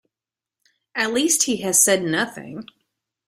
At least, he has said nothing.